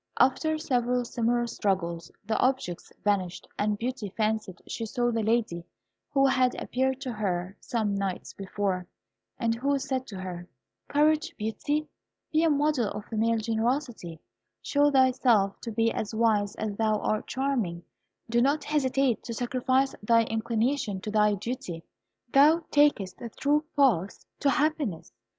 After several similar struggles the objects vanished, and Beauty fancied she saw the lady who had appeared to her some nights before, and who said to her, "Courage, Beauty; be a model of female generosity; show thyself to be as wise as thou art charming; do not hesitate to sacrifice thy inclination to thy duty. Thou takest the true path to happiness.